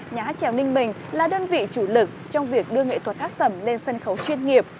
nhà hát trèo ninh bình là đơn vị chủ lực trong việc đưa nghệ thuật hát sẩm lên sân khấu chuyên nghiệp